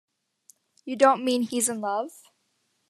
You don't mean he's in love?